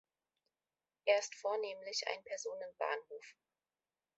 Er ist vornehmlich ein Personenbahnhof.